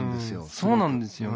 そうなんですよ。